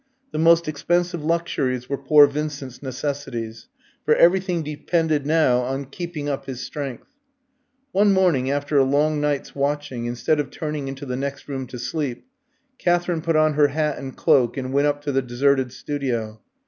The most expensive luxuries were poor Vincent's necessities; for everything depended now on keeping up his strength. One morning, after a long night's watching, instead of turning into the next room to sleep, Katherine put on her hat and cloak and went up to the deserted studio.